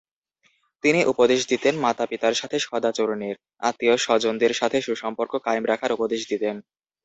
তিনি উপদেশ দিতেন মাতাপিতার সাথে সদাচরণের, আত্মীয় স্বজনদের সাথে সুসম্পর্ক কায়েম রাখার উপদেশ দিতেন।